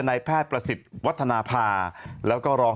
นายแพทย์ประสิทธิ์วัฒนภาแล้วก็รอง